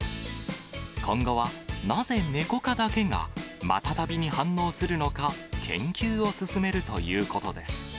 今後はなぜネコ科だけが、またたびに反応するのか、研究を進めるということです。